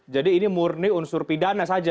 jadi ini murni unsur pidana saja